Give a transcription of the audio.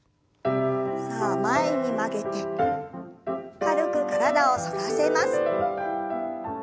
さあ前に曲げて軽く体を反らせます。